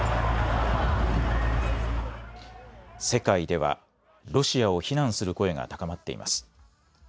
世界ではロシアを非難する声が高まっています。